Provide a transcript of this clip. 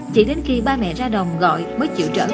chỉ đến khi ba mẹ ra đồng gọi mới chịu trở về nhà